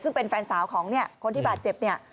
ซึ่งเป็นแฟนสาวของเนี่ยคนที่บาดเจ็บเนี่ย